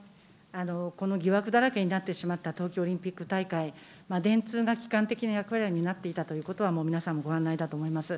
この疑惑だらけになってしまった東京オリンピック大会、電通が基幹的な役割を担っていたということは、もう皆さんご案内だとは思います。